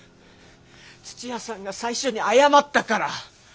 土屋さんが最初に謝ったから！